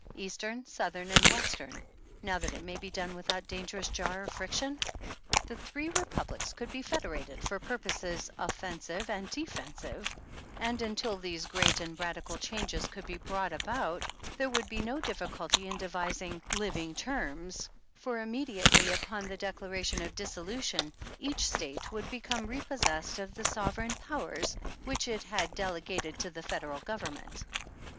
Eastern, Southern and Western, now that it may be done without dangerous jar or friction ? The three republics could be federated for purposes offensive and defensive, and until these great and radical changes could be brought about there would be no great difficulty in devising '^living terms," for immediately upon the Declaration of Dissolution, each State would become repossessed of the sover eign powers which it had delegated to the Federal Government.